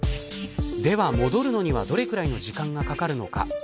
では戻るのにはどれくらいの時間がかかるのか。